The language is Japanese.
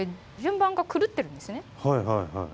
はいはいはい。